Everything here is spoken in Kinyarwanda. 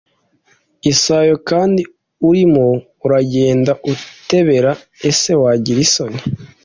isayo kandi urimo uragenda utebera. ese wagira isoni